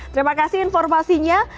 terima kasih informasinya